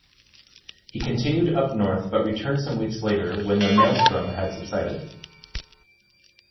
He continued up north but returned some weeks later when the maelstrom had subsided.